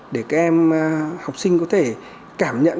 để các em học sinh có thể cảm nhận